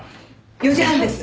４時半です。